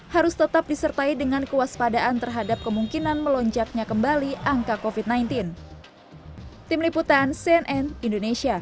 harus tetap disertai dengan kewaspadaan terhadap kemungkinan melonjaknya kembali angka covid sembilan belas